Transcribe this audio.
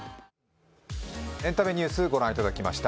エンタメニュース御覧いただきました。